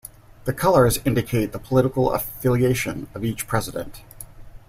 The colors indicate the political affiliation of each President.